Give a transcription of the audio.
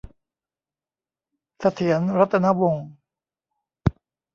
เสถียร รัตนวงศ์